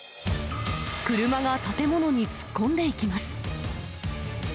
車が建物に突っ込んでいきます。